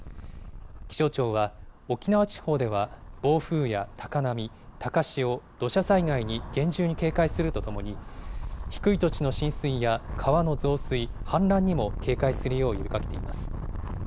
気象庁は、沖縄地方では暴風や高波、高潮、土砂災害に厳重に警戒するとともに、低い土地の浸水や川の増水、氾濫にも警戒するよう呼びかけています。